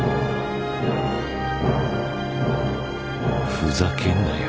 ふざけんなよ。